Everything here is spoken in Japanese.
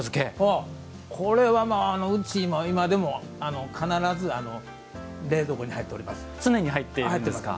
これは、うちも今でも必ず冷蔵庫に入っております。